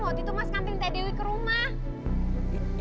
waktu itu mas kamping teh dewi ke rumah